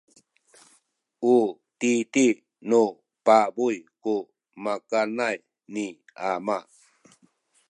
u titi nu pabuy ku makanay ni ama.